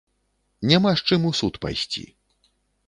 Няма з чым у суд пайсці.